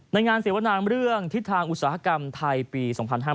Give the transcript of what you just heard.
ในงานเสวนามเรื่องทิศทางอุตสาหกรรมไทยปี๒๕๕๙